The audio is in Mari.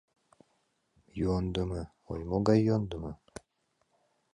Йӧндымӧ, ой, могай йӧндымӧ!